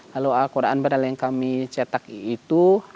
lalu al quran berdal yang kami cetak itu